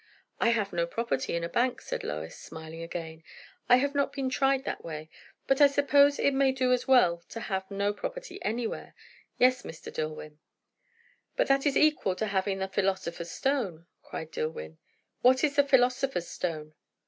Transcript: "I have no property in a bank," said Lois, smiling again; "I have not been tried that way; but I suppose it may do as well to have no property anywhere. Yes, Mr. Dillwyn." "But that is equal to having the philosopher's stone!" cried Dillwyn. "What is the philosopher's stone?"